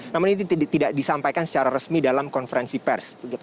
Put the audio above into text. namun ini tidak disampaikan secara resmi dalam konferensi pers